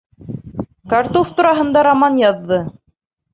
Картуф тураһында роман яҙҙы.